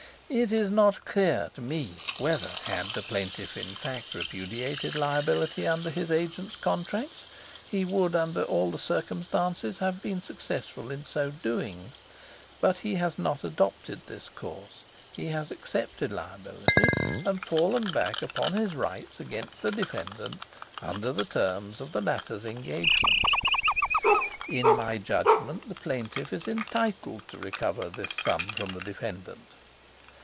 It is not quite clear to me whether, had the plaintiff in fact repudiated liability under his agent's contracts, he would, under all the circumstances, have been successful in so doing; but he has not adopted this course. He has accepted liability, and fallen back upon his rights against the defendant under the terms of the latter's engagement. "In my judgment the plaintiff is entitled to recover this sum from the defendant.